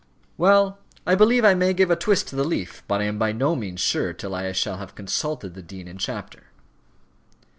"Well I believe I may give a twist to the leaf; but I am by no means sure till I shall have consulted the dean in chapter."